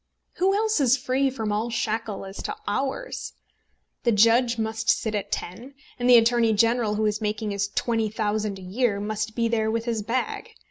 Who else is free from all shackle as to hours? The judge must sit at ten, and the attorney general, who is making his £20,000 a year, must be there with his bag.